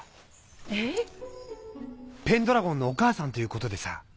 えぇ⁉ペンドラゴンのお母さんということでさ。